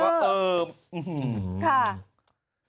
อื้อหือค่ะ